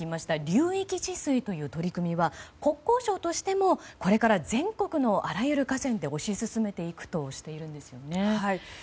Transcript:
流域治水という取り組みは国交省としてもこれから全国のあらゆる河川で推し進めていくとしているんですよね。